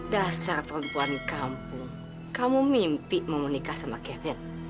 dasar perempuan kampung kamu mimpi mau menikah sama kevin